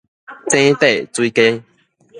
井底水雞